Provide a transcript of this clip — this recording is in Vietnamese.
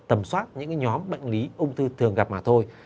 tầm soát những nhóm bệnh lý ung thư thường gặp mà thôi